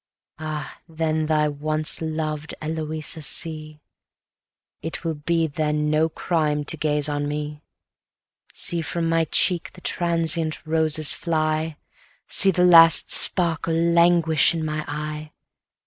Ah, then thy once loved Eloisa see! It will be then no crime to gaze on me. 330 See from my cheek the transient roses fly! See the last sparkle languish in my eye!